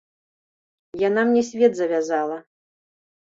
Яна мне свет завязала.